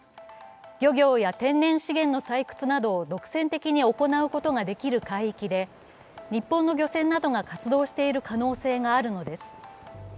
漁業や天然資源の採掘などを独占的に行うことができる海域で日本の漁船などが活動している可能性があるのです。